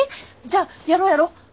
じゃあやろうやろう。